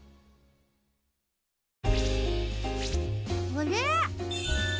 あれ？